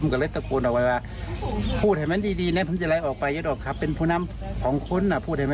ก็เลี้ยงอยู่ตรงนี้ทุกวันอยู่แล้ว